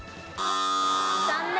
残念。